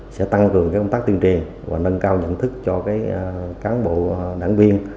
sẽ tăng cường công tác tuyên truyền và nâng cao nhận thức cho cán bộ đảng viên